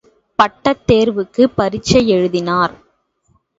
பட்டத் தேர்வுக்குப் பரீட்சை எழுதினார்.